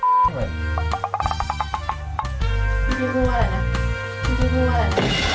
จงคิดทั้งคาวว่า